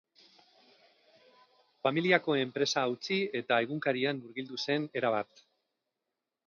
Familiako enpresa utzi eta egunkarian murgildu zen, erabat.